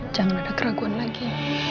jangan ada keraguan lagi